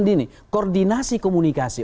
di ini koordinasi komunikasi